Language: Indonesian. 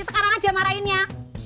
sekarang aja marahinnya